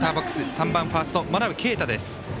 ３番、ファースト、真鍋慧です。